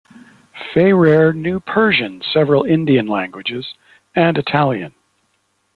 Fayrer knew Persian, several Indian languages and Italian.